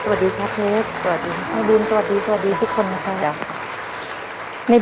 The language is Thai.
สบายดีค่ะเชฟจะมาฟังกันไหม